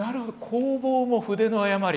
「弘法も筆の誤り」。